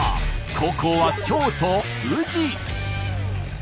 後攻は京都宇治。